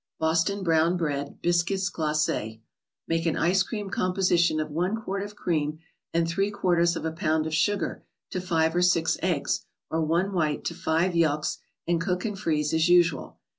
•Boston Burton Breati "Biscuits rfKTst ft Make an ice cream composition of one ViPlcttlp* quart of cream and three quarters of a pound of sugar, to five or six eggs, or one white to five yelks, and cook and freeze as usual.